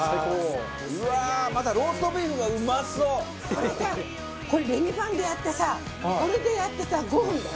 これさこれ、レミパンでやってさこれでやってさ５分だよ、５分。